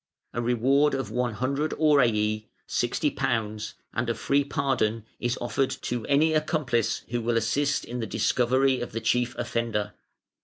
A reward of 100 aurei (£60), and a free pardon is offered to any accomplice who will assist in the discovery of the chief offender.